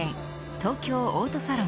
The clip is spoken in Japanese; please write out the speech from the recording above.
東京オートサロン。